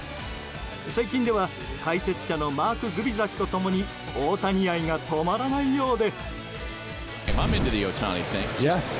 最近では解説者のマーク・グビザ氏と共に大谷愛が止まらないようで。